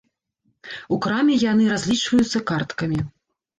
У краме яны разлічваюцца карткамі.